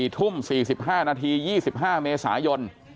๔ทุ่ม๔๕นาที๒๕เมษายน